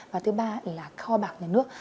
và thứ ba là kho bạc nhà nước